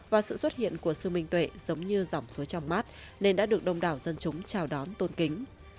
và sự xuất hiện của sương minh tuệ giống như dòng suối trong mát nên đã được đông đảo dân chúng chào đón tôn kính